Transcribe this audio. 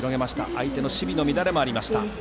相手の守備の乱れもありました。